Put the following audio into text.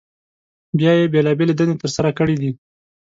بیا یې بېلابېلې دندې تر سره کړي دي.